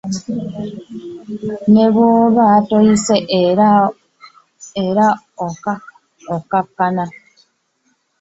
Ne bw'oba toyise era okkakkana.